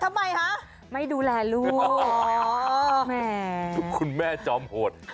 ต๊ะทำไมคะไม่ดูแลลูกอ้อเหมือนคุณแม่จอมโหด